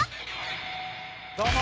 どうも！！